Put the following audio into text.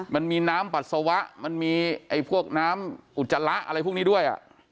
มันมีน้ำปัสสาวะมันมีพวกน้ำอุจจาระอะไรพวกนี้ด้วย